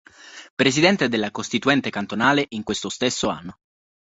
Presidente della Costituente cantonale in questo stesso anno.